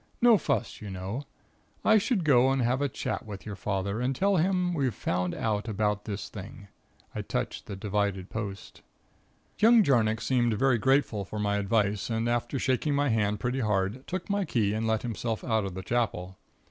No fuss, you know. I should go and have a chat with your father, and tell him we've found out about this thing.' I touched the divided post. "Young Jarnock seemed very grateful for my advice and after shaking my hand pretty hard, took my key, and let himself out of the Chapel.